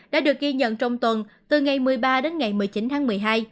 đã được ghi nhận trong tuần từ ngày một mươi ba đến ngày một mươi chín tháng một mươi hai